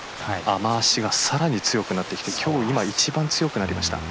雨脚がさらに強くなって今日一番、強くなりました。